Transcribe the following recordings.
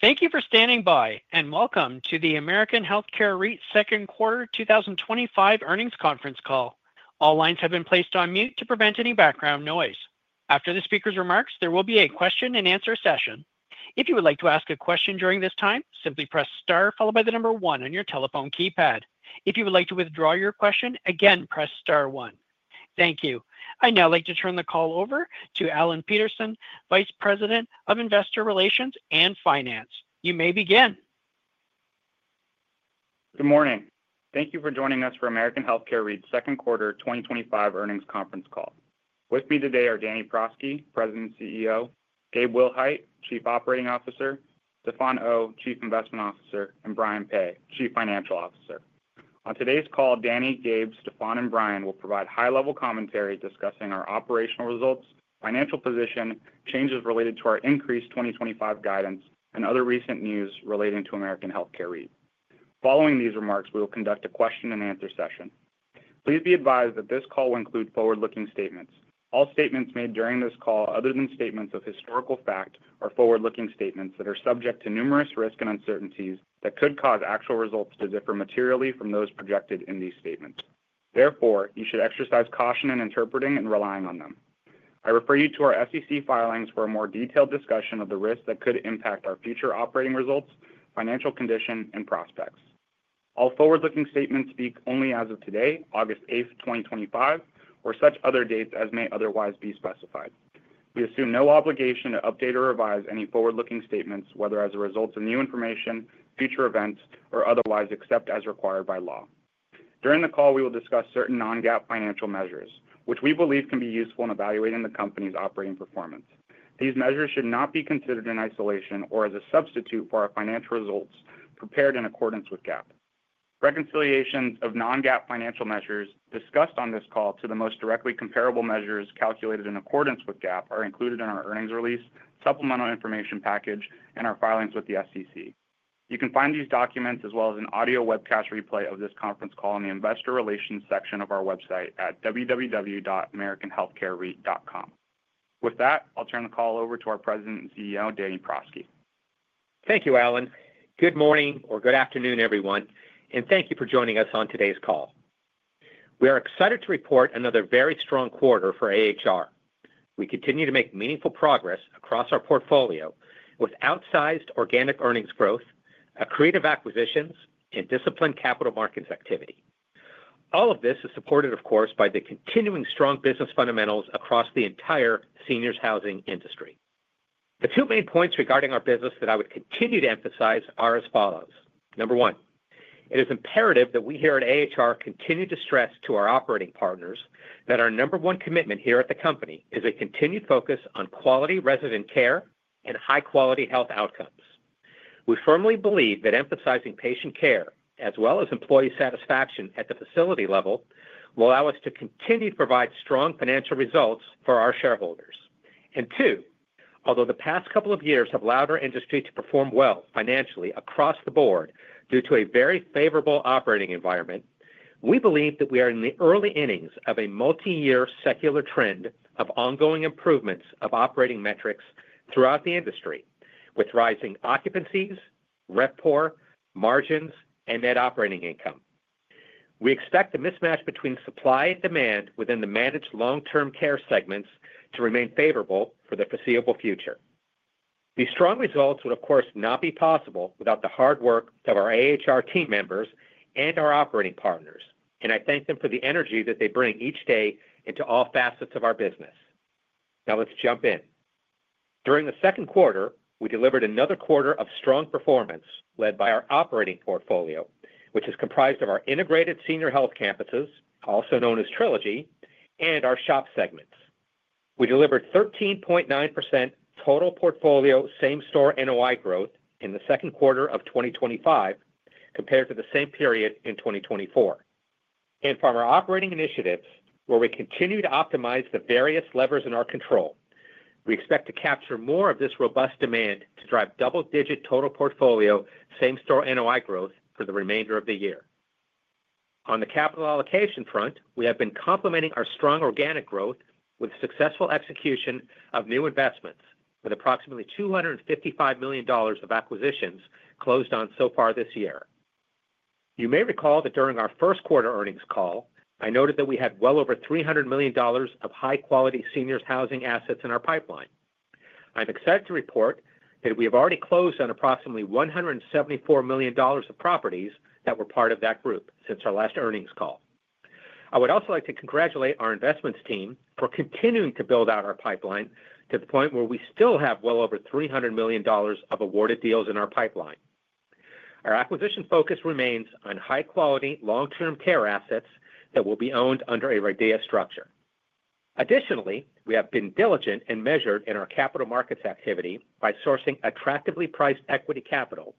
Thank you for standing by and welcome to the American Healthcare REIT Second Quarter 2025 Earnings Conference Call. All lines have been placed on mute to prevent any background noise. After the speaker's remarks, there will be a question and answer session. If you would like to ask a question during this time, simply press star followed by the number one on your telephone keypad. If you would like to withdraw your question, again press star one. Thank you. I'd now like to turn the call over to Alan Peterson, Vice President of Investor Relations and Finance. You may begin. Good morning. Thank you for joining us for American Healthcare REIT Second Quarter 2025 Earnings Conference Call. With me today are Danny Prosky, President and CEO, Gabe Willhite, Chief Operating Officer, Stefan Oh, Chief Investment Officer, and Brian Peay, Chief Financial Officer. On today's call, Danny, Gabe, Stefan, and Brian will provide high-level commentary discussing our operational results, financial position, changes related to our increased 2025 guidance, and other recent news relating to American Healthcare REIT. Following these remarks, we will conduct a question and answer session. Please be advised that this call will include forward-looking statements. All statements made during this call, other than statements of historical fact, are forward-looking statements that are subject to numerous risks and uncertainties that could cause actual results to differ materially from those projected in these statements. Therefore, you should exercise caution in interpreting and relying on them. I refer you to our SEC filings for a more detailed discussion of the risks that could impact our future operating results, financial condition, and prospects. All forward-looking statements speak only as of today, August 8th, 2025, or such other dates as may otherwise be specified. We assume no obligation to update or revise any forward-looking statements, whether as a result of new information, future events, or otherwise except as required by law. During the call, we will discuss certain non-GAAP financial measures, which we believe can be useful in evaluating the company's operating performance. These measures should not be considered in isolation or as a substitute for our financial results prepared in accordance with GAAP. Reconciliations of non-GAAP financial measures discussed on this call to the most directly comparable measures calculated in accordance with GAAP are included in our earnings release, supplemental information package, and our filings with the SEC. You can find these documents as well as an audio webcast replay of this conference call in the Investor Relations section of our website at www.americanhealthcarereit.com. With that, I'll turn the call over to our President and CEO, Danny Prosky. Thank you, Alan. Good morning or good afternoon, everyone, and thank you for joining us on today's call. We are excited to RevPAR another very strong quarter for AHR. We continue to make meaningful progress across our portfolio with outsized organic earnings growth, creative acquisitions, and disciplined capital markets activity. All of this is supported, of course, by the continuing strong business fundamentals across the entire senior housing industry. The two main points regarding our business that I would continue to emphasize are as follows. Number one, it is imperative that we here at AHR continue to stress to our operating partners that our number one commitment here at the company is a continued focus on quality resident care and high-quality health outcomes. We firmly believe that emphasizing patient care, as well as employee satisfaction at the facility level, will allow us to continue to provide strong financial results for our shareholders. Two, although the past couple of years have allowed our industry to perform well financially across the board due to a very favorable operating environment, we believe that we are in the early innings of a multi-year secular trend of ongoing improvements of operating metrics throughout the industry, with rising occupancies, RevPAR, margins, and net operating income. We expect a mismatch between supply and demand within the managed long-term care segments to remain favorable for the foreseeable future. These strong results would, of course, not be possible without the hard work of our AHR team members and our operating partners, and I thank them for the energy that they bring each day into all facets of our business. Now let's jump in. During the second quarter, we delivered another quarter of strong performance led by our operating portfolio, which is comprised of our integrated senior health campuses, also known as Trilogy, and our SHOP segment. We delivered 13.9% total portfolio same-store NOI growth in the second quarter of 2025 compared to the same period in 2024. From our operating initiatives, where we continue to optimize the various levers in our control, we expect to capture more of this robust demand to drive double-digit total portfolio same-store NOI growth for the remainder of the year. On the capital allocation front, we have been complementing our strong organic growth with successful execution of new investments, with approximately $255 million of acquisitions closed on so far this year. You may recall that during our first quarter earnings call, I noted that we had well over $300 million of high-quality senior housing assets in our pipeline. I'm excited to RevPAR that we have already closed on approximately $174 million of properties that were part of that group since our last earnings call. I would also like to congratulate our investments team for continuing to build out our pipeline to the point where we still have well over $300 million of awarded deals in our pipeline. Our acquisition focus remains on high-quality long-term care assets that will be owned under a RIDEA structure. Additionally, we have been diligent and measured in our capital markets activity by sourcing attractively priced equity capital,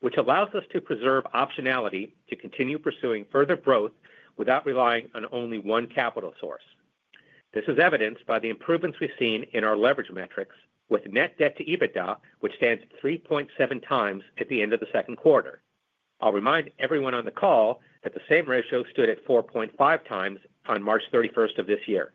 which allows us to preserve optionality to continue pursuing further growth without relying on only one capital source. This is evidenced by the improvements we've seen in our leverage metrics, with net debt to EBITDA, which stands at 3.7 times at the end of the second quarter. I'll remind everyone on the call that the same ratio stood at 4.5x on March 31 of this year.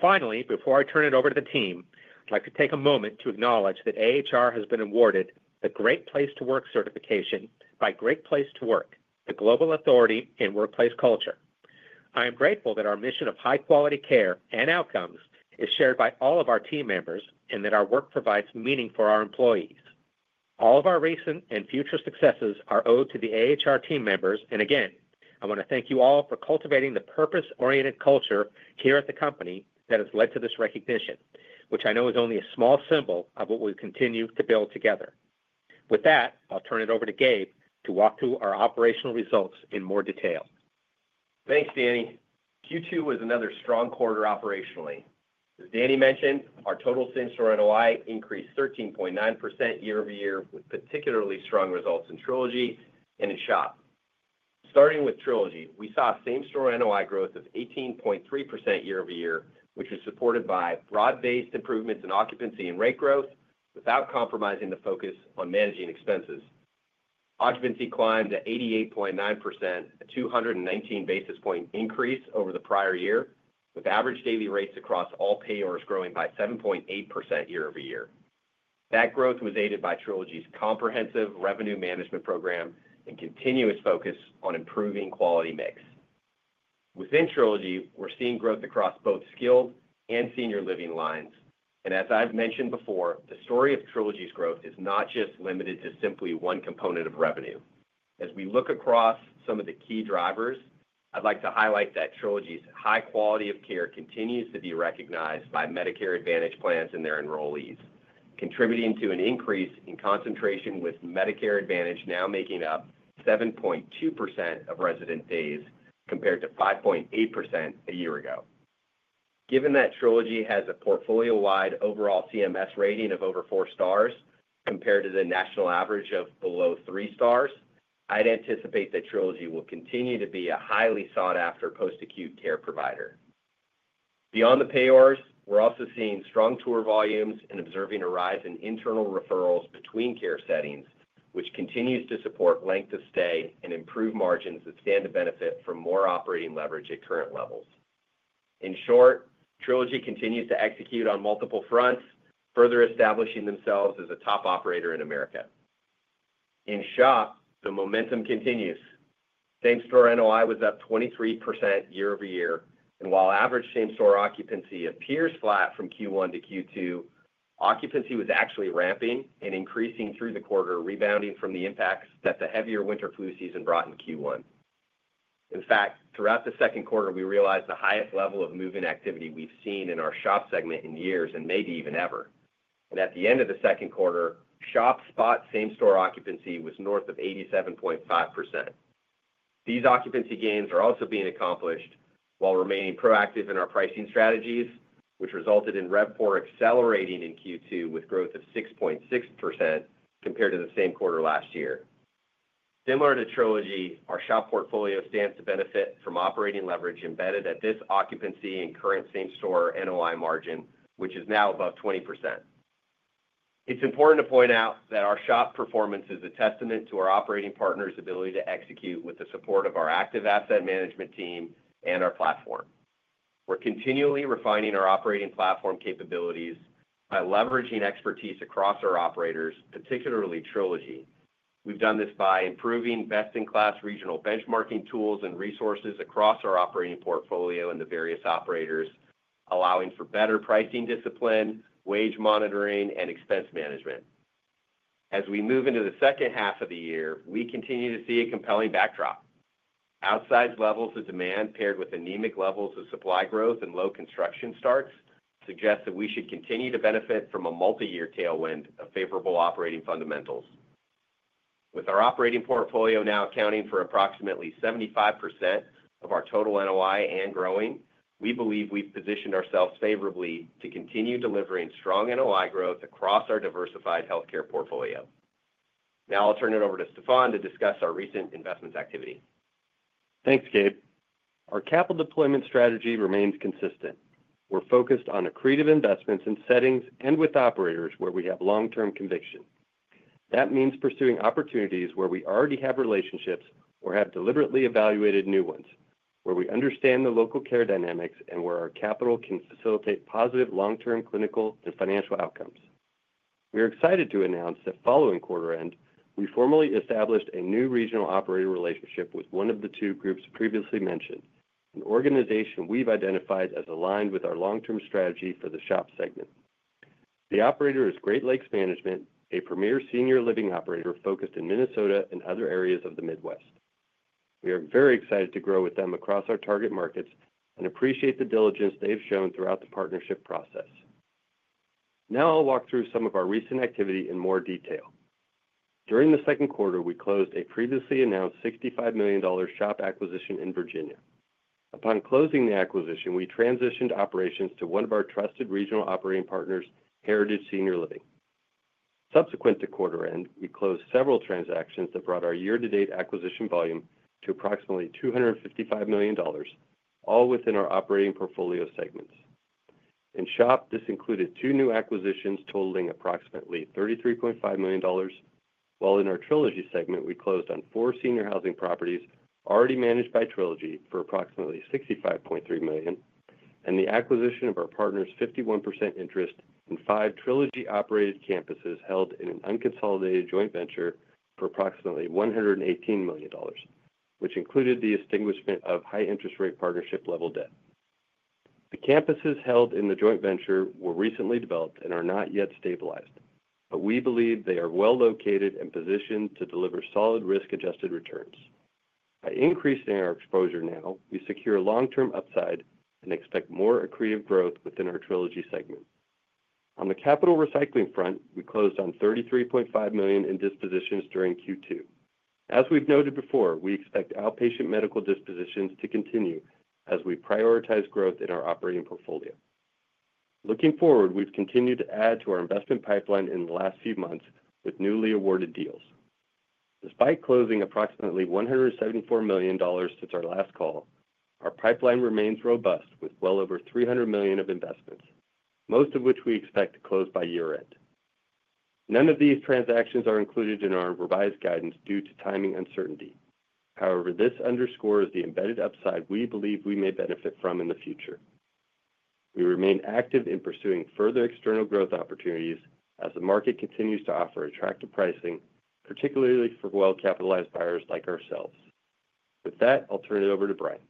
Finally, before I turn it over to the team, I'd like to take a moment to acknowledge that AHR has been awarded the Great Place to Work certification by Great Place to Work, a global authority in workplace culture. I am grateful that our mission of high-quality care and outcomes is shared by all of our team members and that our work provides meaning for our employees. All of our recent and future successes are owed to the AHR team members, and again, I want to thank you all for cultivating the purpose-oriented culture here at the company that has led to this recognition, which I know is only a small symbol of what we continue to build together. With that, I'll turn it over to Gabe to walk through our operational results in more detail. Thanks, Danny. Q2 was another strong quarter operationally. As Danny mentioned, our total same-store NOI increased 13.9% year-over-year, with particularly strong results in Trilogy and in SHOP. Starting with Trilogy, we saw same-store NOI growth of 18.3% year-over-year, which was supported by broad-based improvements in occupancy and rate growth without compromising the focus on managing expenses. Occupancy climbed to 88.9%, a 219 basis point increase over the prior year, with average daily rates across all payers growing by 7.8% year-over-year. That growth was aided by Trilogy's comprehensive revenue management program and continuous focus on improving quality mix. Within Trilogy, we're seeing growth across both skilled and senior living lines, and as I've mentioned before, the story of Trilogy's growth is not just limited to simply one component of revenue. As we look across some of the key drivers, I'd like to highlight that Trilogy's high quality of care continues to be recognized by Medicare Advantage plans and their enrollees, contributing to an increase in concentration with Medicare Advantage now making up 7.2% of resident days compared to 5.8% a year ago. Given that Trilogy has a portfolio-wide overall CMS rating of over four stars compared to the national average of below three stars, I'd anticipate that Trilogy will continue to be a highly sought-after post-acute care provider. Beyond the payers, we're also seeing strong tour volumes and observing a rise in internal referrals between care settings, which continues to support length of stay and improve margins that stand to benefit from more operating leverage at current levels. In short, Trilogy continues to execute on multiple fronts, further establishing themselves as a top operator in America. In SHOP, the momentum continues. Same-store NOI was up 23% year-over-year, and while average same-store occupancy appears flat from Q1 to Q2, occupancy was actually ramping and increasing through the quarter, rebounding from the impacts that the heavier winter flu season brought in Q1. In fact, throughout the second quarter, we realized the highest level of move-in activity we've seen in our SHOP segment in years and maybe even ever. At the end of the second quarter, SHOP spot same-store occupancy was north of 87.5%. These occupancy gains are also being accomplished while remaining proactive in our pricing strategies, which resulted in RevPAR accelerating in Q2 with growth of 6.6% compared to the same quarter last year. Similar to Trilogy, our SHOP portfolio stands to benefit from operating leverage embedded at this occupancy and current same-store NOI margin, which is now above 20%. It's important to point out that our SHOP performance is a testament to our operating partners' ability to execute with the support of our active asset management team and our platform. We're continually refining our operating platform capabilities by leveraging expertise across our operators, particularly Trilogy. We've done this by improving best-in-class regional benchmarking tools and resources across our operating portfolio and the various operators, allowing for better pricing discipline, wage monitoring, and expense management. As we move into the second half of the year, we continue to see a compelling backdrop. Outsized levels of demand paired with anemic levels of supply growth and low construction starts suggest that we should continue to benefit from a multi-year tailwind of favorable operating fundamentals. With our operating portfolio now accounting for approximately 75% of our total NOI and growing, we believe we've positioned ourselves favorably to continue delivering strong NOI growth across our diversified healthcare portfolio. Now I'll turn it over to Stefan to discuss our recent investments activity. Thanks, Gabe. Our capital deployment strategy remains consistent. We're focused on the creative investments in settings and with operators where we have long-term conviction. That means pursuing opportunities where we already have relationships or have deliberately evaluated new ones, where we understand the local care dynamics, and where our capital can facilitate positive long-term clinical and financial outcomes. We are excited to announce that following quarter end, we formally established a new regional operator relationship with one of the two groups previously mentioned, an organization we've identified as aligned with our long-term strategy for the SHOP segment. The operator is Great Lakes Management, a premier senior living operator focused in Minnesota and other areas of the Midwest. We are very excited to grow with them across our target markets and appreciate the diligence they have shown throughout the partnership process. Now I'll walk through some of our recent activity in more detail. During the second quarter, we closed a previously announced $65 million SHOP acquisition in Virginia. Upon closing the acquisition, we transitioned operations to one of our trusted regional operating partners, Heritage Senior Living. Subsequent to quarter end, we closed several transactions that brought our year-to-date acquisition volume to approximately $255 million, all within our operating portfolio segments. In SHOP, this included two new acquisitions totaling approximately $33.5 million, while in our Trilogy segment, we closed on four senior housing properties already managed by Trilogy for approximately $65.3 million, and the acquisition of our partner's 51% interest in five Trilogy-operated campuses held in an unconsolidated joint venture for approximately $118 million, which included the extinguishment of high-interest rate partnership-level debt. The campuses held in the joint venture were recently developed and are not yet stabilized, but we believe they are well-located and positioned to deliver solid risk-adjusted returns. By increasing our exposure now, we secure long-term upside and expect more accretive growth within our Trilogy segment. On the capital recycling front, we closed on $33.5 million in dispositions during Q2. As we've noted before, we expect outpatient medical dispositions to continue as we prioritize growth in our operating portfolio. Looking forward, we've continued to add to our investment pipeline in the last few months with newly awarded deals. Despite closing approximately $174 million since our last call, our pipeline remains robust with well over $300 million of investments, most of which we expect to close by year-end. None of these transactions are included in our revised guidance due to timing uncertainty. However, this underscores the embedded upside we believe we may benefit from in the future. We remain active in pursuing further external growth opportunities as the market continues to offer attractive pricing, particularly for well-capitalized buyers like ourselves. With that, I'll turn it over to Brian.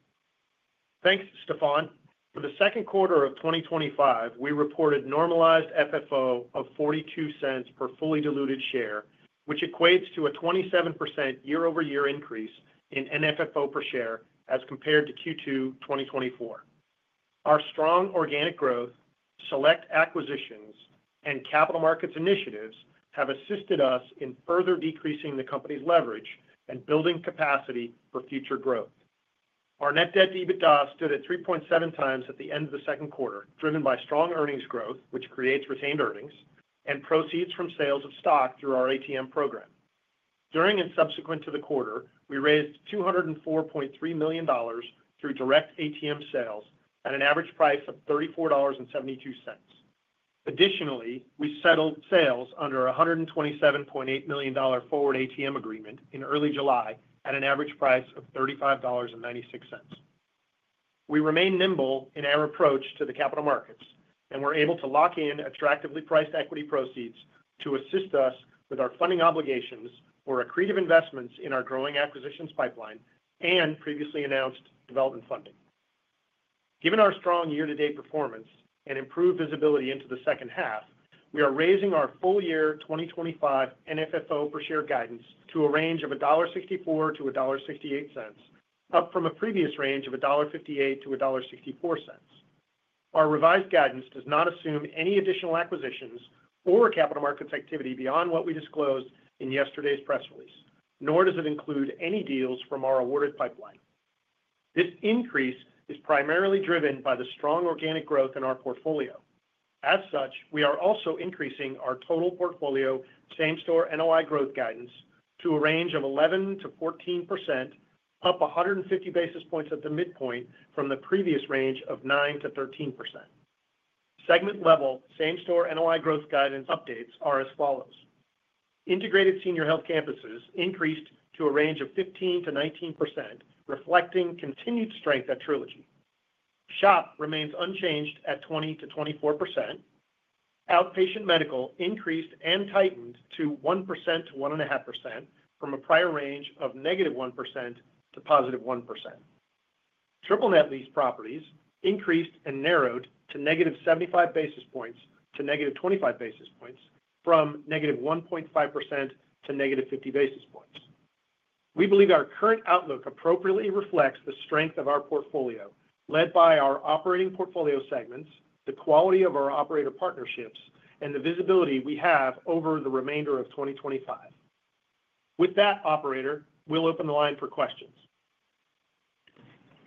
Thanks, Stefan. For the second quarter of 2025, we RevPARed normalized FFO of $0.42 per fully diluted share, which equates to a 27% year-over-year increase in NFFO per share as compared to Q2 2024. Our strong organic growth, select acquisitions, and capital markets initiatives have assisted us in further decreasing the company's leverage and building capacity for future growth. Our net debt to EBITDA stood at 3.7 times at the end of the second quarter, driven by strong earnings growth, which creates retained earnings and proceeds from sales of stock through our ATM program. During and subsequent to the quarter, we raised $204.3 million through direct ATM sales at an average price of $34.72. Additionally, we settled sales under a $127.8 million forward ATM agreement in early July at an average price of $35.96. We remain nimble in our approach to the capital markets, and we're able to lock in attractively priced equity proceeds to assist us with our funding obligations or accretive investments in our growing acquisitions pipeline and previously announced development funding. Given our strong year-to-date performance and improved visibility into the second half, we are raising our full-year 2025 NFFO per share guidance to a range of $1.64-$1.68, up from a previous range of $1.58-$1.64. Our revised guidance does not assume any additional acquisitions or capital markets activity beyond what we disclosed in yesterday's press release, nor does it include any deals from our awarded pipeline. This increase is primarily driven by the strong organic growth in our portfolio. As such, we are also increasing our total portfolio same-store NOI growth guidance to a range of 11%-14%, up 150 basis points at the midpoint from the previous range of 9%-13%. Segment-level same-store NOI growth guidance updates are as follows: Integrated senior health campuses increased to a range of 15%-19%, reflecting continued strength at Trilogy. SHOP remains unchanged at 20%-24%. Outpatient medical increased and tightened to 1%-1.5% from a prior range of -1% to +1%. Triple net lease properties increased and narrowed to -75 basis points to -25 basis points from -1.5% to -50 basis points. We believe our current outlook appropriately reflects the strength of our portfolio led by our operating portfolio segments, the quality of our operator partnerships, and the visibility we have over the remainder of 2025. With that, operator, we'll open the line for questions.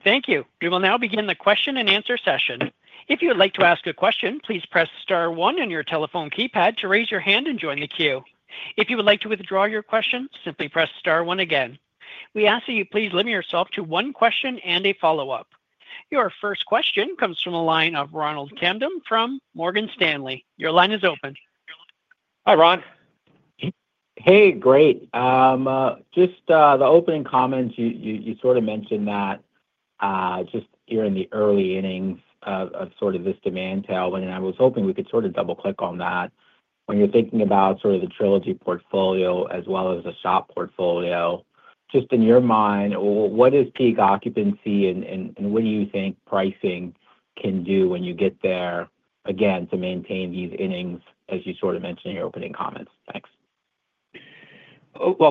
Thank you. We will now begin the question and answer session. If you would like to ask a question, please press star one on your telephone keypad to raise your hand and join the queue. If you would like to withdraw your question, simply press star one again. We ask that you please limit yourself to one question and a follow-up. Your first question comes from the line of Ronald Kamdem from Morgan Stanley. Your line is open. Hi, Ron. Great. Just, the opening comments, you sort of mentioned that, just here in the early innings of sort of this demand tailwind, and I was hoping we could sort of double-click on that. When you're thinking about sort of the Trilogy portfolio as well as the SHOP portfolio, just in your mind, what is peak occupancy and what do you think pricing can do when you get there again to maintain these innings as you sort of mentioned in your opening comments? Thanks.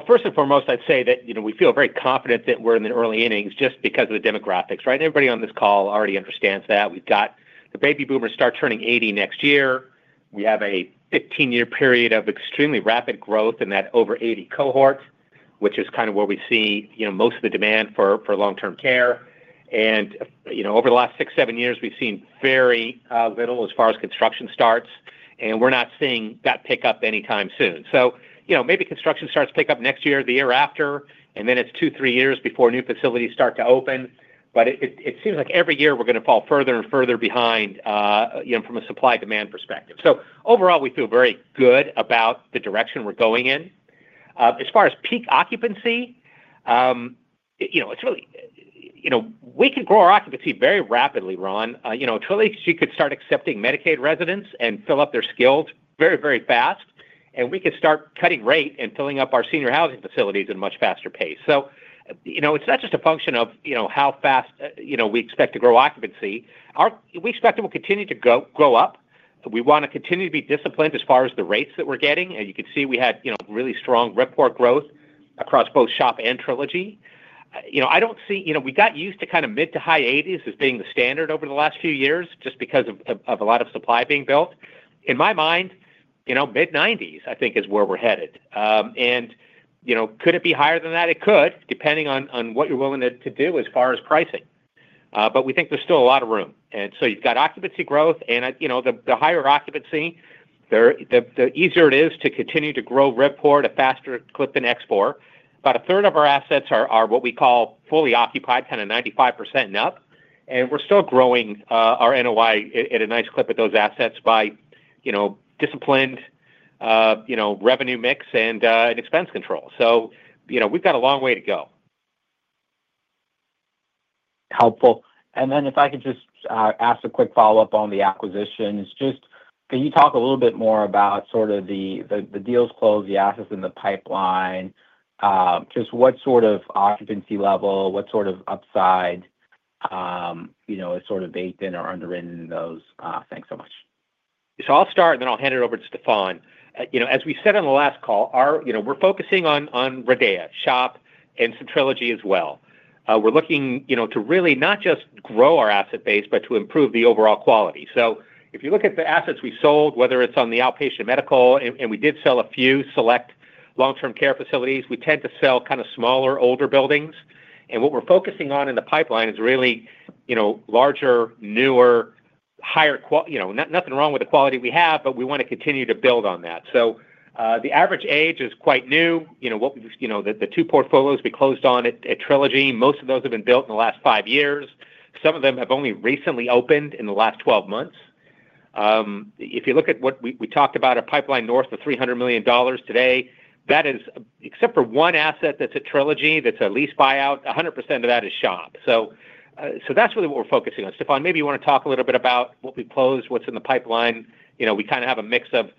First and foremost, I'd say that we feel very confident that we're in the early innings just because of the demographics, right? Everybody on this call already understands that. We've got the baby boomers start turning 80 next year. We have a 15-year period of extremely rapid growth in that over 80 cohort, which is kind of where we see most of the demand for long-term care. Over the last six, seven years, we've seen very little as far as construction starts, and we're not seeing that pick up anytime soon. Maybe construction starts pick up next year or the year after, and then it's two, three years before new facilities start to open. It seems like every year we're going to fall further and further behind from a supply-demand perspective. Overall, we feel very good about the direction we're going in. As far as peak occupancy, we could grow our occupancy very rapidly, Ron. Trilogy could start accepting Medicaid residents and fill up their skilled nursing very, very fast. We could start cutting rate and filling up our senior housing facilities at a much faster pace. It's not just a function of how fast we expect to grow occupancy. We expect it will continue to grow up. We want to continue to be disciplined as far as the rates that we're getting. You could see we had really strong RevPAR growth across both SHOP and Trilogy. I don't see, you know, we got used to kind of mid to high 80s as being the standard over the last few years just because of a lot of supply being built. In my mind, mid 90s, I think is where we're headed. Could it be higher than that? It could, depending on what you're willing to do as far as pricing. We think there's still a lot of room. You've got occupancy growth, and the higher occupancy, the easier it is to continue to grow RevPAR a faster clip in export. About a third of our assets are what we call fully occupied, kind of 95% and up. We're still growing our NOI at a nice clip of those assets by disciplined revenue mix and expense control. We've got a long way to go. Helpful. If I could just ask a quick follow-up on the acquisitions, can you talk a little bit more about the deals closed, the assets in the pipeline, what sort of occupancy level, what sort of upside is baked in or under in those? Thanks so much. I'll start, and then I'll hand it over to Stefan. As we said on the last call, we're focusing on RIDEA, SHOP, and some Trilogy as well. We're looking to really not just grow our asset base, but to improve the overall quality. If you look at the assets we sold, whether it's on the outpatient medical, and we did sell a few select long-term care facilities, we tend to sell kind of smaller, older buildings. What we're focusing on in the pipeline is really larger, newer, higher quality. There's nothing wrong with the quality we have, but we want to continue to build on that. The average age is quite new. The two portfolios we closed on at Trilogy, most of those have been built in the last five years. Some of them have only recently opened in the last 12 months. If you look at what we talked about, a pipeline north of $300 million today, that is, except for one asset that's a Trilogy that's a lease buyout, 100% of that is SHOP. That's really what we're focusing on. Stefan, maybe you want to talk a little bit about what we closed, what's in the pipeline. We kind of have a mix of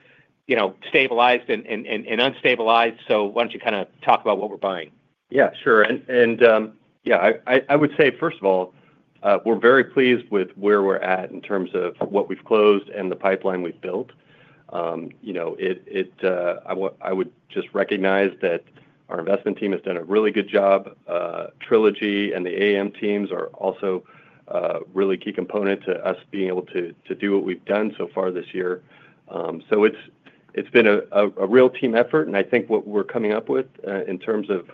stabilized and unstabilized. Why don't you talk about what we're buying? Yeah, sure. I would say, first of all, we're very pleased with where we're at in terms of what we've closed and the pipeline we've built. I would just recognize that our investment team has done a really good job. Trilogy and the AM teams are also a really key component to us being able to do what we've done so far this year. It's been a real team effort. I think what we're coming up with in terms of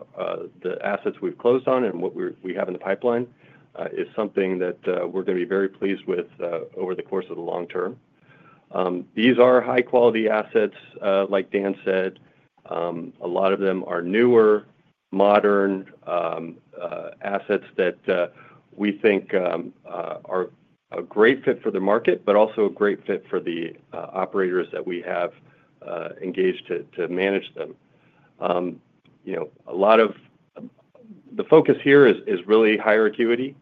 the assets we've closed on and what we have in the pipeline is something that we're going to be very pleased with over the course of the long term. These are high-quality assets, like Dan said. A lot of them are newer, modern assets that we think are a great fit for the market, but also a great fit for the operators that we have engaged to manage them. A lot of the focus here is really higher acuity.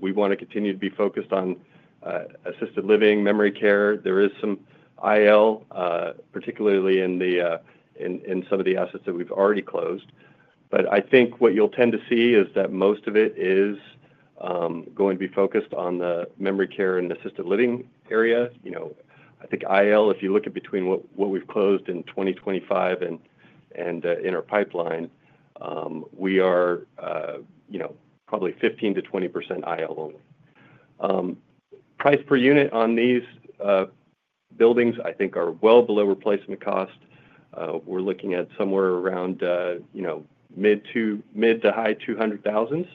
We want to continue to be focused on assisted living, memory care. There is some IL, particularly in some of the assets that we've already closed. I think what you'll tend to see is that most of it is going to be focused on the memory care and assisted living areas. I think IL, if you look at between what we've closed in 2025 and in our pipeline, we are probably 15%-20% IL only. Price per unit on these buildings, I think, are well below replacement cost. We're looking at somewhere around mid to high $200,000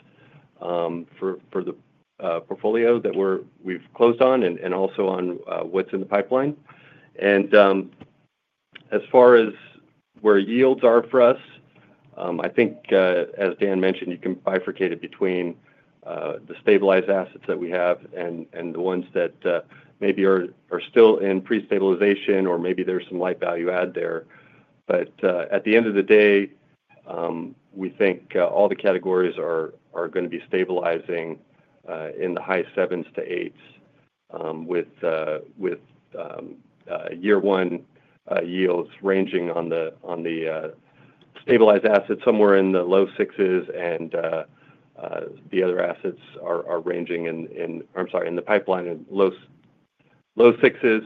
for the portfolio that we've closed on and also on what's in the pipeline. As far as where yields are for us, I think, as Dan mentioned, you can bifurcate it between the stabilized assets that we have and the ones that maybe are still in pre-stabilization or maybe there's some light value add there. At the end of the day, we think all the categories are going to be stabilizing in the high sevens to eights, with year-one yields ranging on the stabilized assets somewhere in the low sixes, and the other assets are ranging in, I'm sorry, in the pipeline in low sixes,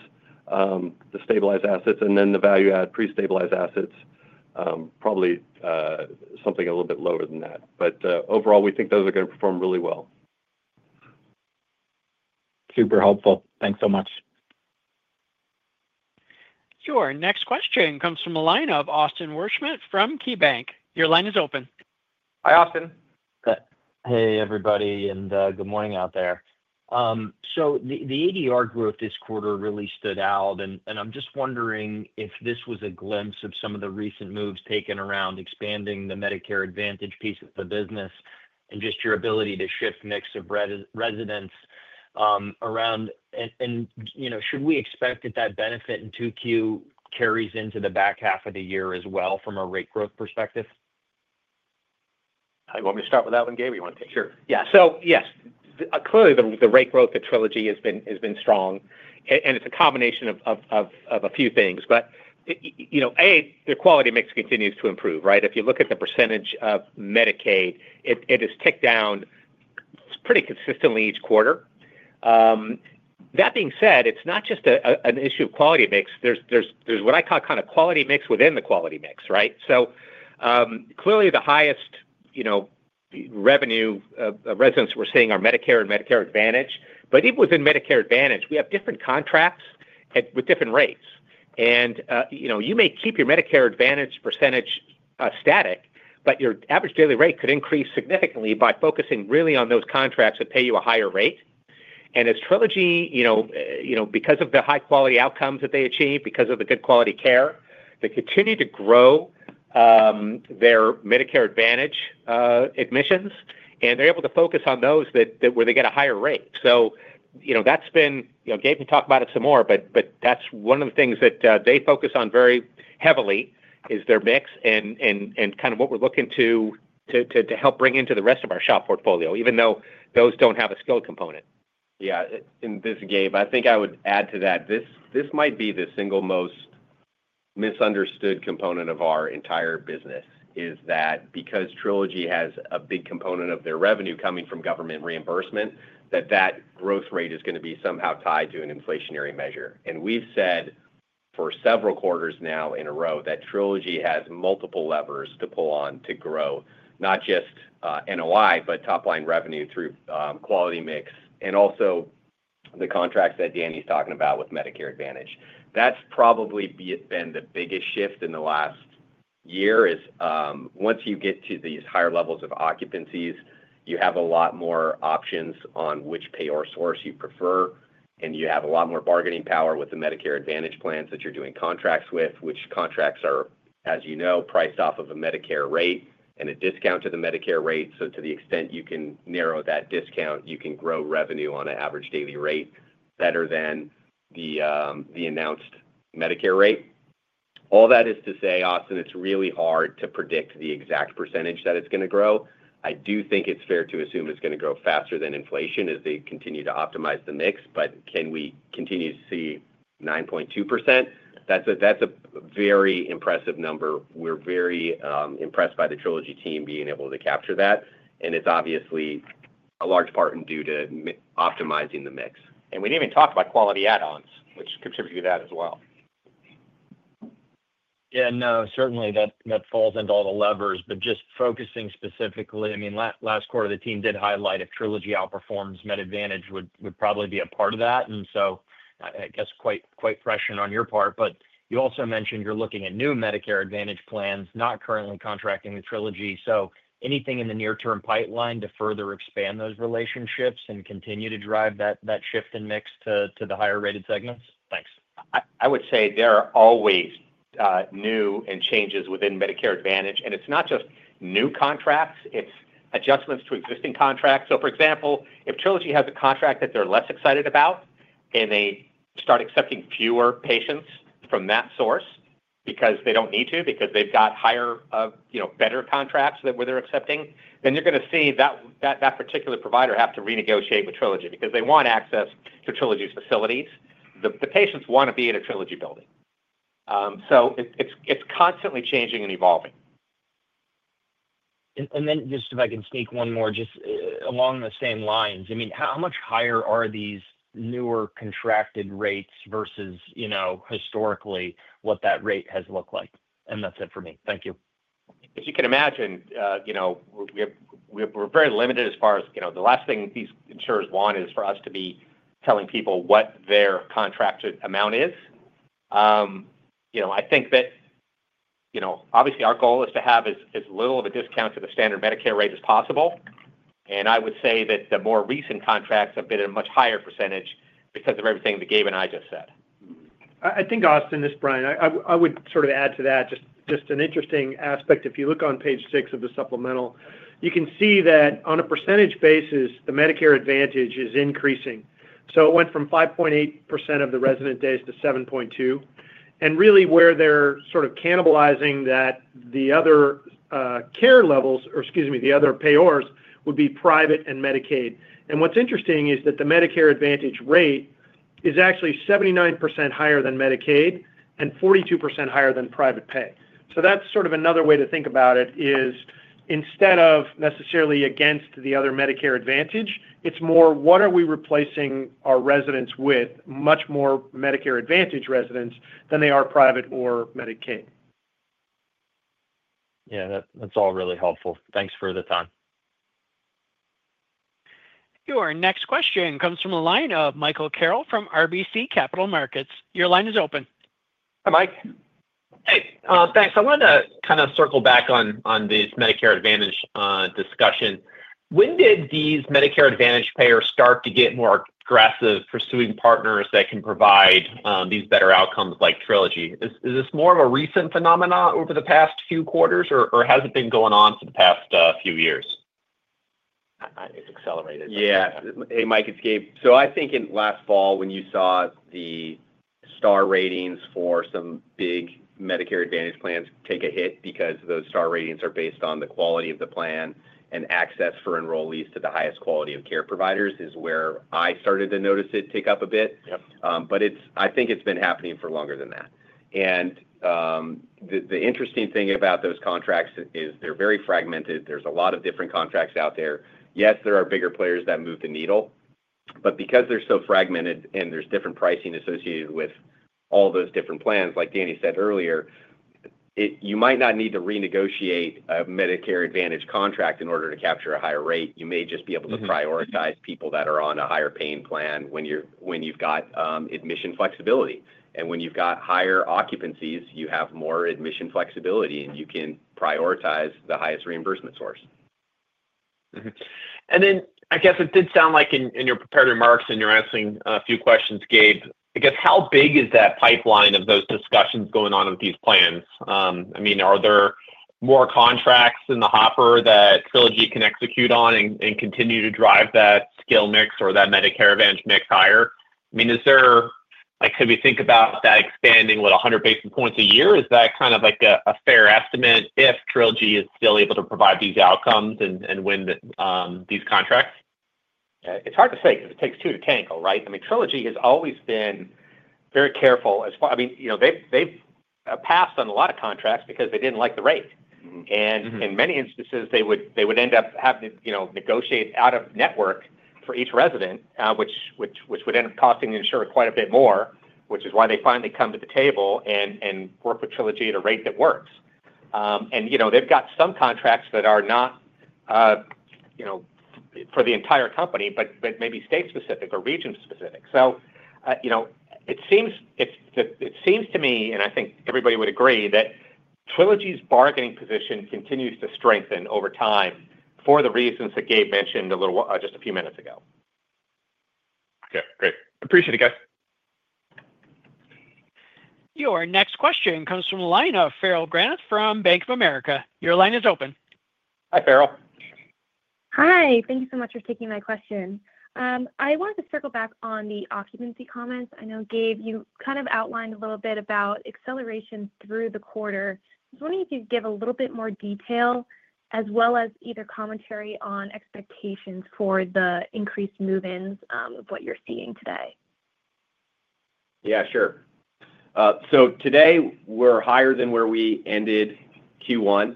the stabilized assets, and then the value add pre-stabilized assets, probably something a little bit lower than that. Overall, we think those are going to perform really well. Super helpful. Thanks so much. Sure. Next question comes from a line of Austin Wurschmidt from KeyBanc. Your line is open. Hi, Austin. Good morning out there. The ADR growth this quarter really stood out, and I'm just wondering if this was a glimpse of some of the recent moves taken around expanding the Medicare Advantage piece of the business and your ability to shift the mix of residents around. Should we expect that benefit in 2Q carries into the back half of the year as well from a rate growth perspective? You want me to start with that one, Gabe, you want to take? Sure. Yeah. Yes, clearly the rate growth at Trilogy has been strong, and it's a combination of a few things. A, their quality mix continues to improve, right? If you look at the percentage of Medicaid, it has ticked down pretty consistently each quarter. That being said, it's not just an issue of quality mix. There's what I call kind of quality mix within the quality mix, right? Clearly the highest revenue residents we're seeing are Medicare and Medicare Advantage, but within Medicare Advantage, we have different contracts with different rates. You may keep your Medicare Advantage percentage static, but your average daily rate could increase significantly by focusing really on those contracts that pay you a higher rate. As Trilogy, because of the high-quality outcomes that they achieve, because of the good quality care, they continue to grow their Medicare Advantage admissions, and they're able to focus on those where they get a higher rate. That's been, Gabe can talk about it some more, but that's one of the things that they focus on very heavily is their mix and kind of what we're looking to help bring into the rest of our SHOP segment portfolio, even though those don't have a skilled nursing component. Yeah, and this is Gabe, I think I would add to that. This might be the single most misunderstood component of our entire business is that because Trilogy has a big component of their revenue coming from government reimbursement, that that growth rate is going to be somehow tied to an inflationary measure. We've said for several quarters now in a row that Trilogy has multiple levers to pull on to grow, not just NOI, but top-line revenue through quality mix and also the contracts that Danny's talking about with Medicare Advantage. That's probably been the biggest shift in the last year is once you get to these higher levels of occupancies, you have a lot more options on which payer source you prefer, and you have a lot more bargaining power with the Medicare Advantage plans that you're doing contracts with, which contracts are, as you know, priced off of a Medicare rate and a discount to the Medicare rate. To the extent you can narrow that discount, you can grow revenue on an average daily rate better than the announced Medicare rate. All that is to say, Austin, it's really hard to predict the exact percentage that it's going to grow. I do think it's fair to assume it's going to grow faster than inflation as they continue to optimize the mix. Can we continue to see 9.2%? That's a very impressive number. We're very impressed by the Trilogy team being able to capture that. It's obviously a large part due to optimizing the mix. We didn't even talk about quality add-ons, which contributed to that as well. Yeah, no, certainly that falls into all the levers, but just focusing specifically, I mean, last quarter, the team did highlight if Trilogy outperforms, Medicare Advantage would probably be a part of that. I guess quite fresh and on your part, but you also mentioned you're looking at new Medicare Advantage plans, not currently contracting with Trilogy. Anything in the near-term pipeline to further expand those relationships and continue to drive that shift in mix to the higher rated segments? Thanks. I would say there are always new and changes within Medicare Advantage, and it's not just new contracts, it's adjustments to existing contracts. For example, if Trilogy has a contract that they're less excited about and they start accepting fewer patients from that source because they don't need to, because they've got higher, you know, better contracts where they're accepting, then you're going to see that particular provider have to renegotiate with Trilogy because they want access to Trilogy's facilities. The patients want to be in a Trilogy building. It's constantly changing and evolving. If I can speak one more just along the same lines, I mean, how much higher are these newer contracted rates versus, you know, historically what that rate has looked like? That's it for me. Thank you. If you can imagine, we are very limited as far as, you know, the last thing these insurers want is for us to be telling people what their contracted amount is. I think that, obviously, our goal is to have as little of a discount to the standard Medicare rate as possible. I would say that the more recent contracts have been at a much higher percentage because of everything that Gabe and I just said. I think, Austin, this is Brian. I would sort of add to that just an interesting aspect. If you look on page six of the supplemental, you can see that on a percentage basis, the Medicare Advantage is increasing. It went from 5.8% of the resident days to 7.2%. What they're sort of cannibalizing, the other care levels, or excuse me, the other payers, would be private and Medicaid. What's interesting is that the Medicare Advantage rate is actually 79% higher than Medicaid and 42% higher than private pay. That's sort of another way to think about it. Instead of necessarily against the other Medicare Advantage, it's more what are we replacing our residents with, much more Medicare Advantage residents than they are private or Medicaid. Yeah, that's all really helpful. Thanks for the time. Sure. Next question comes from a line of Michael Carroll from RBC Capital Markets. Your line is open. Hi, Mike. Hey, thanks. I wanted to kind of circle back on this Medicare Advantage discussion. When did these Medicare Advantage payers start to get more aggressive pursuing partners that can provide these better outcomes like Trilogy? Is this more of a recent phenomenon over the past few quarters, or has it been going on for the past few years? I think it's accelerated. Yeah. Hey, Mike, it's Gabe. I think in last fall when you saw the star ratings for some big Medicare Advantage plans take a hit because those star ratings are based on the quality of the plan and access for enrollees to the highest quality of care providers is where I started to notice it tick up a bit. I think it's been happening for longer than that. The interesting thing about those contracts is they're very fragmented. There's a lot of different contracts out there. Yes, there are bigger players that move the needle. Because they're so fragmented and there's different pricing associated with all those different plans, like Danny said earlier, you might not need to renegotiate a Medicare Advantage contract in order to capture a higher rate. You may just be able to prioritize people that are on a higher paying plan when you've got admission flexibility. When you've got higher occupancies, you have more admission flexibility and you can prioritize the highest reimbursement source. It did sound like in your prepared remarks and you're asking a few questions, Gabe, how big is that pipeline of those discussions going on with these plans? Are there more contracts in the hopper that Trilogy can execute on and continue to drive that skill mix or that Medicare Advantage mix higher? Is there, like, have you think about that expanding with 100 basis points a year? Is that kind of like a fair estimate if Trilogy is still able to provide these outcomes and win these contracts? Yeah. It's hard to say because it takes two to tango, right? Trilogy has always been very careful as far as, you know, they've passed on a lot of contracts because they didn't like the rate. In many instances, they would end up having to negotiate out of network for each resident, which would end up costing the insurer quite a bit more, which is why they finally come to the table and work with Trilogy at a rate that works. They've got some contracts that are not for the entire company, but maybe state-specific or region-specific. It seems to me, and I think everybody would agree, that Trilogy's bargaining position continues to strengthen over time for the reasons that Gabe mentioned just a few minutes ago. Okay, great. Appreciate it, guys. Your next question comes from a line of Farrell Granath from Bank of America. Your line is open. Hi, Ferrelll. Hi, thank you so much for taking my question. I wanted to circle back on the occupancy comments. I know, Gabe, you kind of outlined a little bit about acceleration through the quarter. I was wondering if you could give a little bit more detail as well as either commentary on expectations for the increased move-ins of what you're seeing today. Yeah, sure. Today we're higher than where we ended Q1.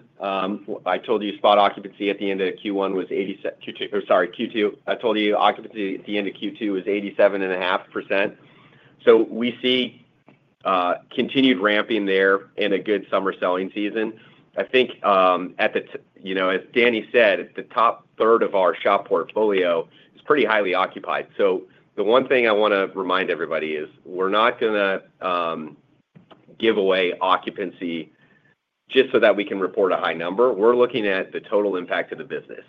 I told you spot occupancy at the end of Q2 was 87.5%. We see continued ramping there in a good summer selling season. I think, as Danny said, the top third of our SHOP segment portfolio is pretty highly occupied. The one thing I want to remind everybody is we're not going to give away occupancy just so that we can RevPAR a high number. We're looking at the total impact of the business.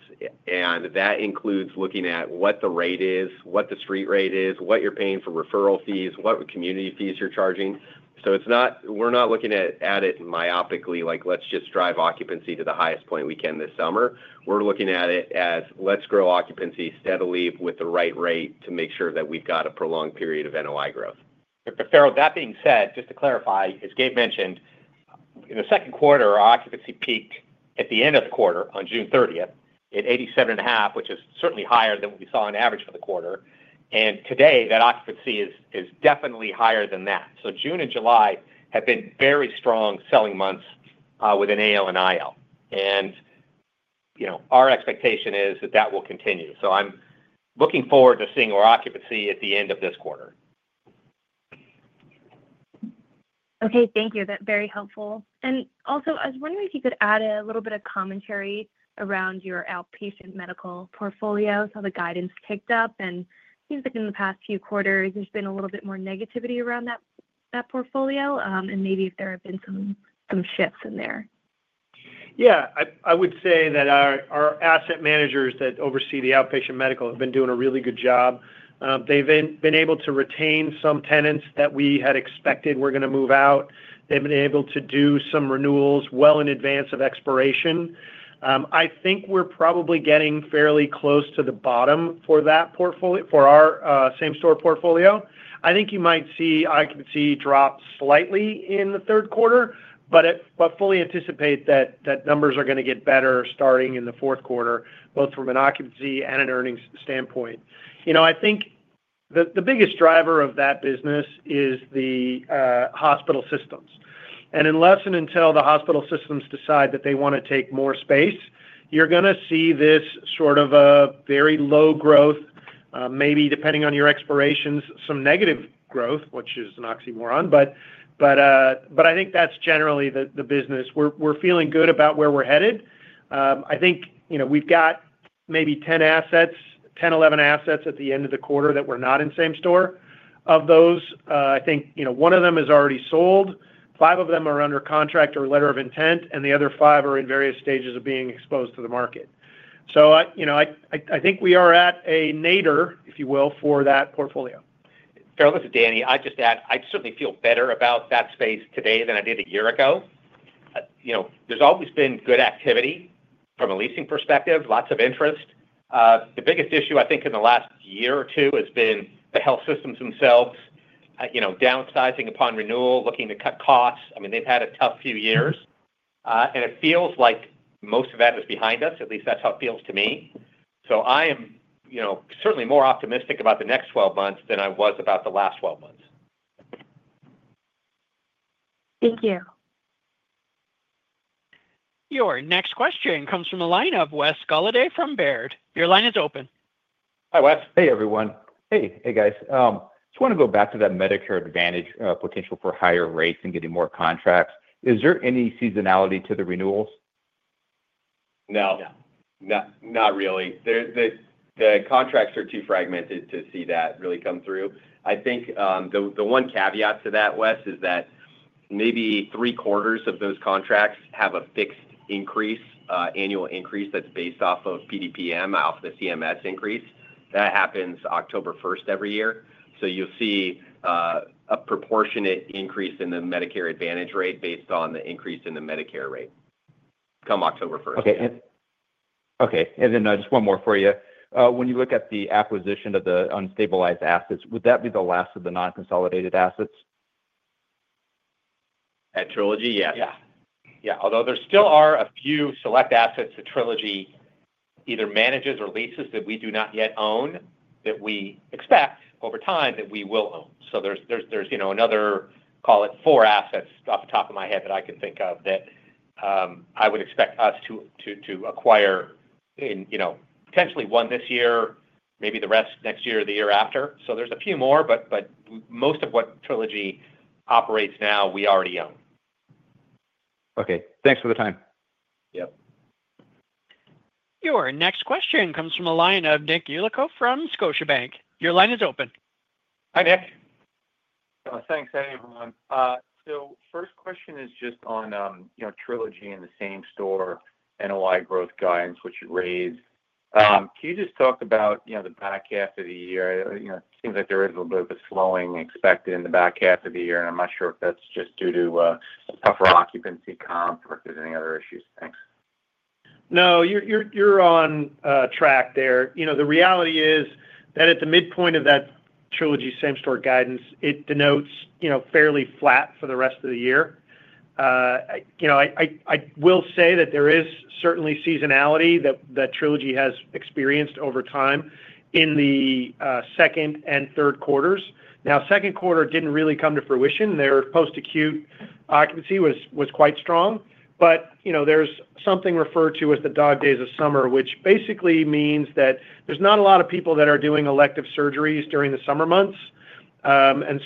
That includes looking at what the rate is, what the street rate is, what you're paying for referral fees, what community fees you're charging. We're not looking at it myopically, like let's just drive occupancy to the highest point we can this summer. We're looking at it as let's grow occupancy steadily with the right rate to make sure that we've got a prolonged period of NOI growth. Ferrelll, that being said, just to clarify, as Gabe mentioned, in the second quarter, our occupancy peaked at the end of the quarter on June 30th at 87.5%, which is certainly higher than what we saw on average for the quarter. Today that occupancy is definitely higher than that. June and July have been very strong selling months with AL and IL, and our expectation is that that will continue. I'm looking forward to seeing more occupancy at the end of this quarter. Okay, thank you. That's very helpful. I was wondering if you could add a little bit of commentary around your outpatient medical portfolio. The guidance ticked up and it seems like in the past few quarters there's been a little bit more negativity around that portfolio. Maybe if there have been some shifts in there. Yeah, I would say that our asset managers that oversee the outpatient medical have been doing a really good job. They've been able to retain some tenants that we had expected were going to move out. They've been able to do some renewals well in advance of expiration. I think we're probably getting fairly close to the bottom for that portfolio, for our same-store portfolio. I think you might see occupancy drop slightly in the third quarter, but fully anticipate that numbers are going to get better starting in the fourth quarter, both from an occupancy and an earnings standpoint. I think the biggest driver of that business is the hospital systems. Unless and until the hospital systems decide that they want to take more space, you're going to see this sort of a very low growth, maybe depending on your expirations, some negative growth, which is an oxymoron. I think that's generally the business. We're feeling good about where we're headed. I think we've got maybe 10 assets, 10, 11 assets at the end of the quarter that were not in same-store. Of those, I think one of them is already sold. Five of them are under contract or letter of intent, and the other five are in various stages of being exposed to the market. I think we are at a nadir, if you will, for that portfolio. Ferrell, this is Danny, I'd just add, I certainly feel better about that space today than I did a year ago. There's always been good activity from a leasing perspective, lots of interest. The biggest issue, I think, in the last year or two has been the health systems themselves, downsizing upon renewal, looking to cut costs. They've had a tough few years. It feels like most of that is behind us. At least that's how it feels to me. I am certainly more optimistic about the next 12 months than I was about the last 12 months. Thank you. Your next question comes from a line of Wes Golladay from Baird. Your line is open. Hi, Wes. Hey, everyone. Hey. Hey guys, I just want to go back to that Medicare Advantage potential for higher rates and getting more contracts. Is there any seasonality to the renewals? No. No. Not really. The contracts are too fragmented to see that really come through. I think the one caveat to that, Wes, is that maybe 3/4 of those contracts have a fixed increase, annual increase that's based off of PDPM, off of the CMS increase. That happens October 1 every year. You'll see a proportionate increase in the Medicare Advantage rate based on the increase in the Medicare rate come October 1. Okay. Okay. Just one more for you. When you look at the acquisition of the unstabilized assets, would that be the last of the non-consolidated assets? At Trilogy, yes. Yeah. Although there still are a few select assets that Trilogy either manages or leases that we do not yet own, that we expect over time that we will own. There's another, call it four assets off the top of my head that I can think of that I would expect us to acquire in potentially one this year, maybe the rest next year or the year after. There's a few more, but most of what Trilogy operates now, we already own. Okay, thanks for the time. Yep. Your next question comes from a line of Nick Yulico from Scotiabank. Your line is open. Hi, Nick. Thanks. Hey, everyone. First question is just on Trilogy and the same-store NOI growth guidance, which you raised. Can you just talk about the back half of the year? It seems like there is a little bit of a slowing expected in the back half of the year, and I'm not sure if that's just due to tougher occupancy comps or if there's any other issues. Thanks. No, you're on track there. The reality is that at the midpoint of that Trilogy same-store guidance, it denotes fairly flat for the rest of the year. I will say that there is certainly seasonality that Trilogy has experienced over time in the second and third quarters. The second quarter didn't really come to fruition. Their post-acute occupancy was quite strong. There is something referred to as the dog days of summer, which basically means that there's not a lot of people that are doing elective surgeries during the summer months.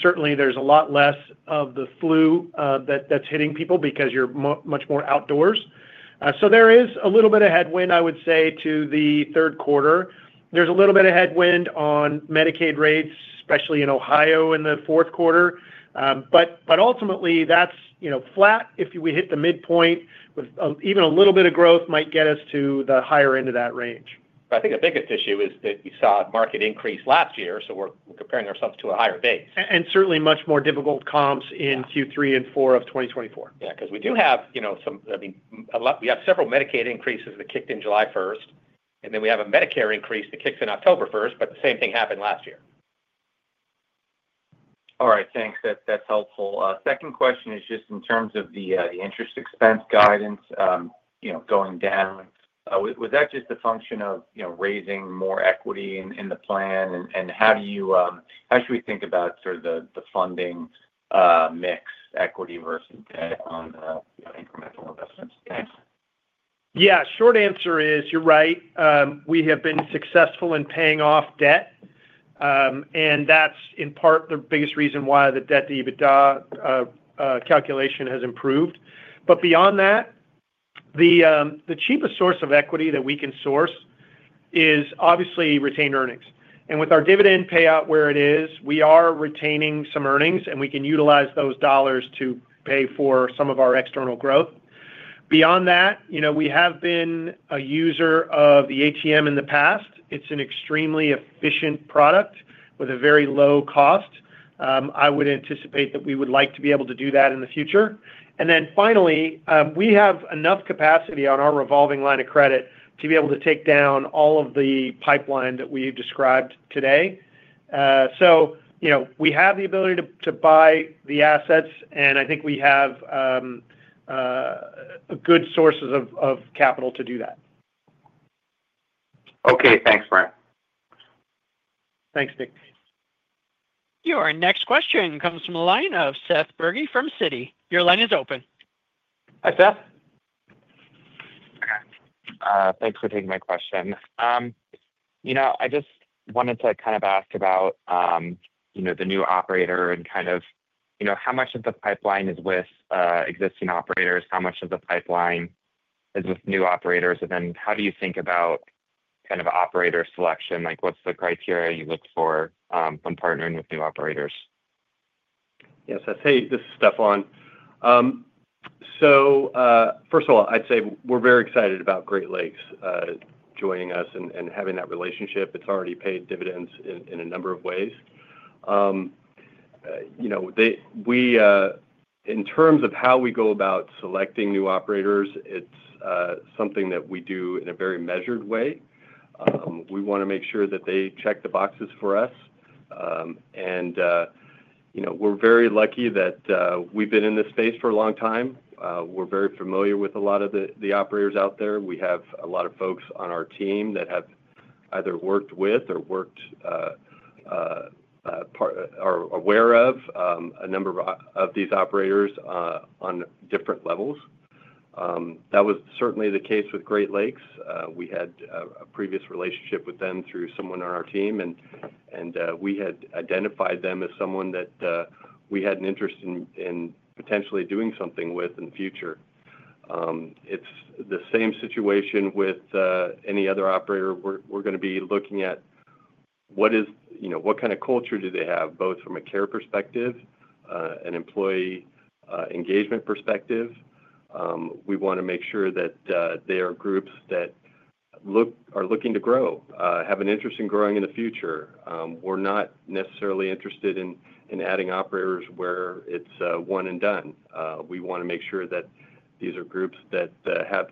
Certainly, there's a lot less of the flu that's hitting people because you're much more outdoors. There is a little bit of headwind, I would say, to the third quarter. There's a little bit of headwind on Medicaid rates, especially in Ohio in the fourth quarter. Ultimately, that's flat if we hit the midpoint, with even a little bit of growth might get us to the higher end of that range. I think the biggest issue is that you saw a market increase last year, so we're comparing ourselves to a higher base. And certainly much more difficult comps in Q3 and Q4 of 2024. Yeah, because we do have some, I mean, we have several Medicaid increases that kicked in July 1, and then we have a Medicare increase that kicks in October 1, but the same thing happened last year. All right, thanks. That's helpful. Second question is just in terms of the interest expense guidance, you know, going down. Was that just a function of, you know, raising more equity in the plan? How do you, how should we think about sort of the funding mix equity versus debt on the incremental investments? Yeah, short answer is you're right. We have been successful in paying off debt, and that's in part the biggest reason why the debt to EBITDA calculation has improved. Beyond that, the cheapest source of equity that we can source is obviously retained earnings. With our dividend payout where it is, we are retaining some earnings, and we can utilize those dollars to pay for some of our external growth. Beyond that, we have been a user of the ATM program in the past. It's an extremely efficient product with a very low cost. I would anticipate that we would like to be able to do that in the future. Finally, we have enough capacity on our revolving line of credit to be able to take down all of the pipeline that we described today. We have the ability to buy the assets, and I think we have good sources of capital to do that. Okay, thanks, Brian. Thanks, Nick. Your next question comes from the line of Seth Berge from Citi. Your line is open. Hi, Seth. Okay. Thanks for taking my question. I just wanted to kind of ask about the new operator and kind of how much of the pipeline is with existing operators, how much of the pipeline is with new operators, and then how do you think about operator selection? What's the criteria you look for when partnering with new operators? Yes, I'd say this is Stefan. First of all, I'd say we're very excited about Great Lakes joining us and having that relationship. It's already paid dividends in a number of ways. In terms of how we go about selecting new operators, it's something that we do in a very measured way. We want to make sure that they check the boxes for us. We're very lucky that we've been in this space for a long time. We're very familiar with a lot of the operators out there. We have a lot of folks on our team that have either worked with or are aware of a number of these operators on different levels. That was certainly the case with Great Lakes. We had a previous relationship with them through someone on our team, and we had identified them as someone that we had an interest in potentially doing something with in the future. It's the same situation with any other operator. We're going to be looking at what kind of culture they have, both from a care perspective and an employee engagement perspective. We want to make sure that they are groups that are looking to grow and have an interest in growing in the future. We're not necessarily interested in adding operators where it's one and done. We want to make sure that these are groups that have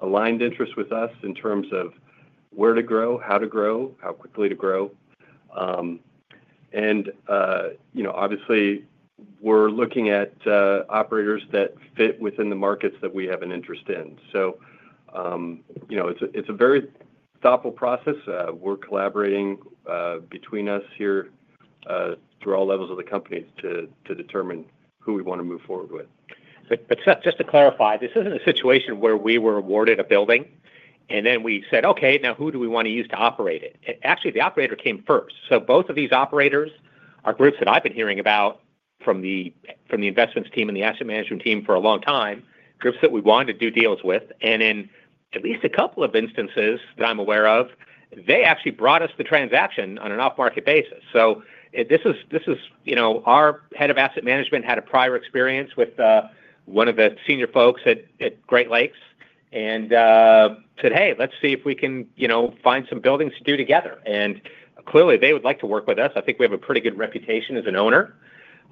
aligned interests with us in terms of where to grow, how to grow, and how quickly to grow. Obviously, we're looking at operators that fit within the markets that we have an interest in. It's a very thoughtful process. We're collaborating between us here through all levels of the companies to determine who we want to move forward with. Just to clarify, this isn't a situation where we were awarded a building, and then we said, okay, now who do we want to use to operate it? Actually, the operator came first. Both of these operators are groups that I've been hearing about from the investments team and the asset management team for a long time, groups that we wanted to do deals with. In at least a couple of instances that I'm aware of, they actually brought us the transaction on an off-market basis. Our Head of Asset Management had a prior experience with one of the senior folks at Great Lakes Management and said, hey, let's see if we can find some buildings to do together. Clearly, they would like to work with us. I think we have a pretty good reputation as an owner.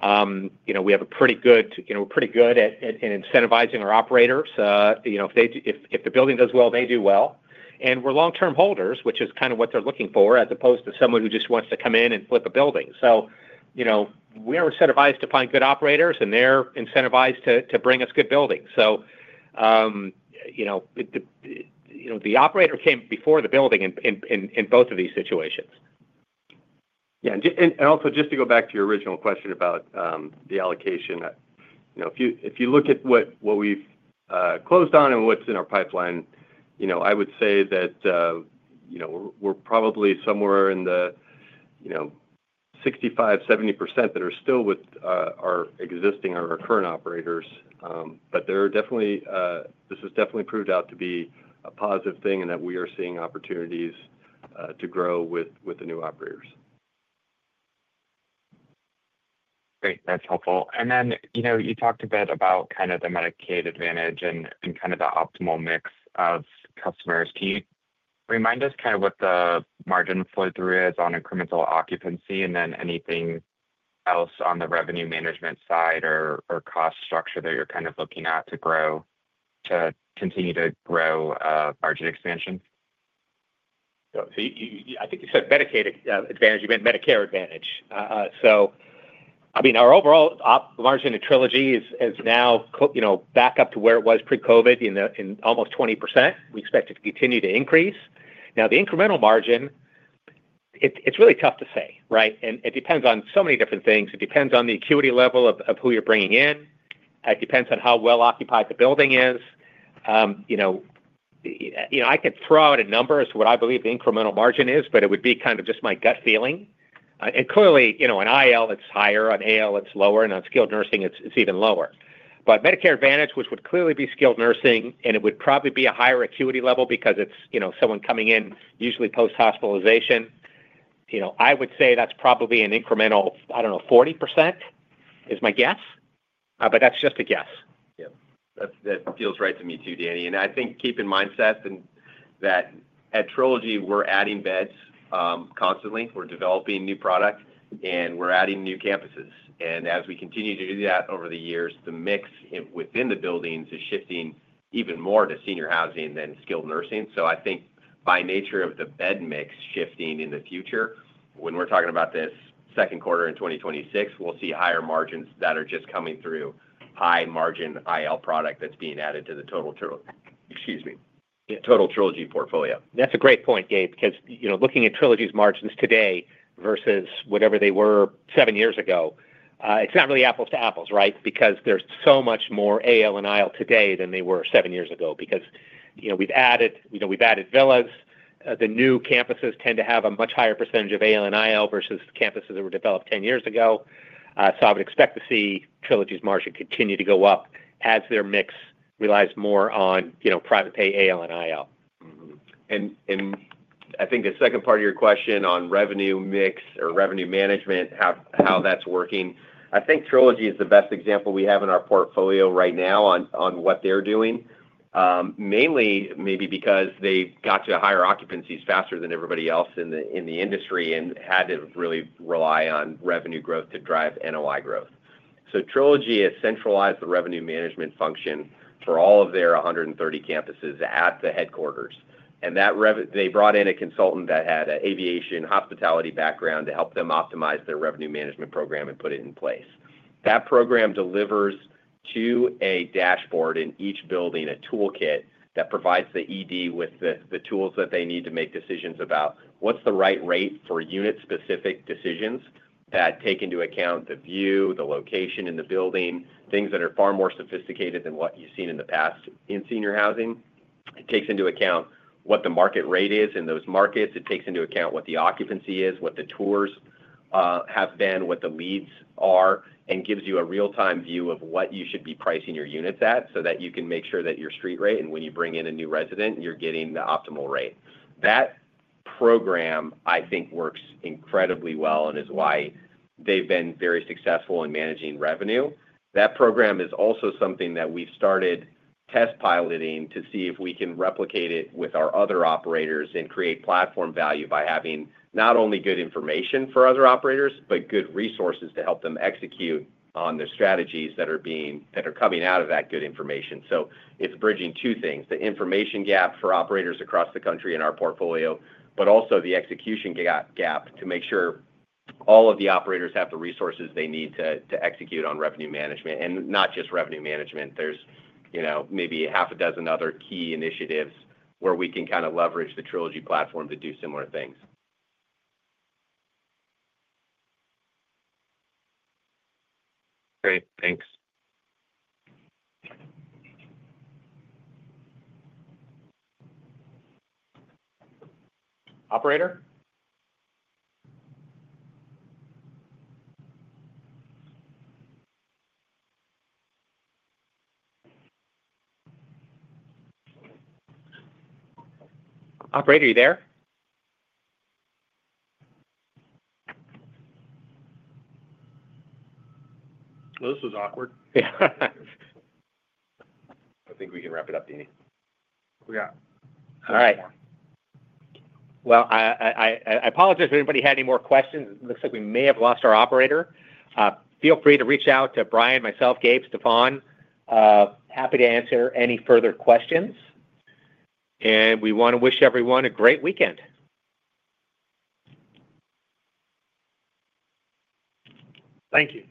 We're pretty good at incentivizing our operators. If the building does well, they do well. We're long-term holders, which is kind of what they're looking for, as opposed to someone who just wants to come in and flip a building. We are incentivized to find good operators, and they're incentivized to bring us good buildings. The operator came before the building in both of these situations. Yeah, also just to go back to your original question about the allocation, you know, if you look at what we've closed on and what's in our pipeline, I would say that, you know, we're probably somewhere in the 65-70% that are still with our existing or our current operators. This has definitely proved out to be a positive thing in that we are seeing opportunities to grow with the new operators. Great, that's helpful. You talked a bit about kind of the Medicare Advantage and kind of the optimal mix of customers. Can you remind us kind of what the margin flow-through is on incremental occupancy, and then anything else on the revenue management side or cost structure that you're kind of looking at to continue to grow margin expansion? Yeah, I think you said Medicare Advantage. I mean, our overall margin at Trilogy is now back up to where it was pre-COVID in almost 20%. We expect it to continue to increase. The incremental margin, it's really tough to say, right? It depends on so many different things. It depends on the acuity level of who you're bringing in. It depends on how well occupied the building is. I could throw out a number as to what I believe the incremental margin is, but it would be kind of just my gut feeling. Clearly, on IL, it's higher, on AL, it's lower, and on skilled nursing, it's even lower. Medicare Advantage, which would clearly be skilled nursing, and it would probably be a higher acuity level because it's someone coming in usually post-hospitalization. I would say that's probably an incremental, I don't know, 40% is my guess. That's just a guess. Yeah, that feels right to me too, Danny. I think keep in mind, Seth, that at Trilogy, we're adding beds constantly. We're developing new products, and we're adding new campuses. As we continue to do that over the years, the mix within the buildings is shifting even more to senior housing than skilled nursing. I think by nature of the bed mix shifting in the future, when we're talking about this second quarter in 2026, we'll see higher margins that are just coming through high margin IL product that's being added to the total, excuse me, total Trilogy portfolio. That's a great point, Gabe, because, you know, looking at Trilogy's margins today versus whatever they were seven years ago, it's not really apples to apples, right? There's so much more AL and IL today than there were seven years ago. We've added villas. The new campuses tend to have a much higher percentage of AL and IL versus the campuses that were developed 10 years ago. I would expect to see Trilogy's margin continue to go up as their mix relies more on private-pay AL and IL. I think the second part of your question on revenue mix or revenue management, how that's working, I think Trilogy is the best example we have in our portfolio right now on what they're doing. Mainly maybe because they got to higher occupancies faster than everybody else in the industry and had to really rely on revenue growth to drive NOI growth. Trilogy has centralized the revenue management function for all of their 130 campuses at the headquarters. They brought in a consultant that had an aviation hospitality background to help them optimize their revenue management program and put it in place. That program delivers to a dashboard in each building, a toolkit that provides the Executive Director with the tools that they need to make decisions about what's the right rate for unit-specific decisions that take into account the view, the location in the building, things that are far more sophisticated than what you've seen in the past in senior housing. It takes into account what the market rate is in those markets. It takes into account what the occupancy is, what the tours have been, what the leads are, and gives you a real-time view of what you should be pricing your units at so that you can make sure that your street rate and when you bring in a new resident, you're getting the optimal rate. That program, I think, works incredibly well and is why they've been very successful in managing revenue. That program is also something that we've started test piloting to see if we can replicate it with our other operators and create platform value by having not only good information for other operators, but good resources to help them execute on the strategies that are coming out of that good information. It's bridging two things: the information gap for operators across the country in our portfolio, but also the execution gap to make sure all of the operators have the resources they need to execute on revenue management. Not just revenue management. There's maybe half a dozen other key initiatives where we can kind of leverage the Trilogy platform to do similar things. Great, thanks. Operator? Operator, are you there? No, this was awkward. I think we can wrap it up, Danny. We got more. All right. I apologize if anybody had any more questions. It looks like we may have lost our operator. Feel free to reach out to Brian, myself, Gabe, or Stefan. Happy to answer any further questions, and we want to wish everyone a great weekend. Thank you.